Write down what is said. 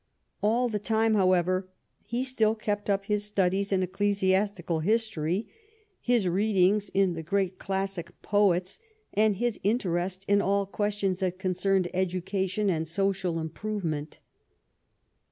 All the time, however, he still kept up his studies in ecclesiastical history, his readings in the great classic poets, and his interest in all questions that concerned education and social improvement.